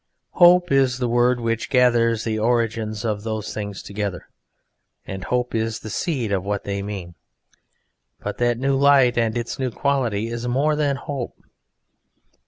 Hope is the word which gathers the origins of those things together, and hope is the seed of what they mean, but that new light and its new quality is more than hope.